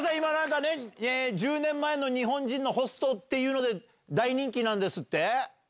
タナカさん、今ね、１０年前の日本人のホストっていうので大人気なんですって？